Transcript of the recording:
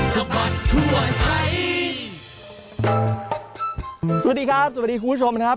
สวัสดีครับสวัสดีคุณผู้ชมนะครับ